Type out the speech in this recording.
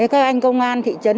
các anh công an thị trấn